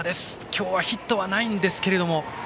今日はヒットはないんですけども。